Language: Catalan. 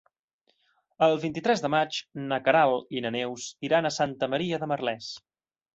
El vint-i-tres de maig na Queralt i na Neus iran a Santa Maria de Merlès.